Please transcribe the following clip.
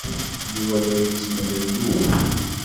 Yuba la yettemlelluy.